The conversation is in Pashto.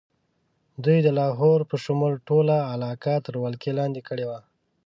دوی د لاهور په شمول ټوله علاقه تر ولکې لاندې کړې وه.